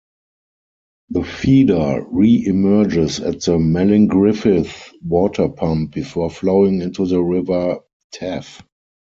The feeder reemerges at the Melingriffith Water Pump before flowing into the River Taff.